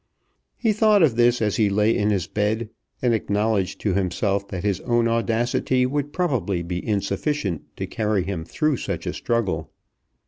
He thought of this as he lay in his bed, and acknowledged to himself that his own audacity would probably be insufficient to carry him through such a struggle.